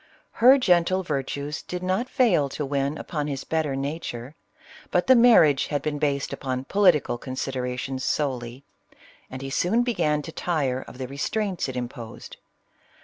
Her gentle virtues did not fail to win upon his better nature ; but the marriage had been based upon political considerations solely, and he soon began to tire of the restraints it imposed.